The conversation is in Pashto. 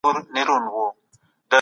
که عصبیت نه وي، نظام به له منځه ولاړ سي.